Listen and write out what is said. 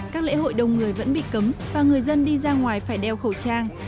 các lễ hội đông người vẫn bị cấm và người dân đi ra ngoài phải đeo khẩu trang